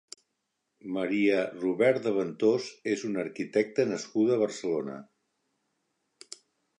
Maria Rubert De Ventós és una arquitecta nascuda a Barcelona.